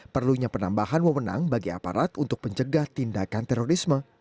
perlunya penambahan memenang bagi aparat untuk pencegah tindakan terorisme